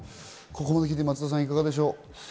ここまで聞いて、松田さん、いかがでしょう？